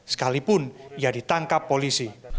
sekalipun ia ditangkap polisi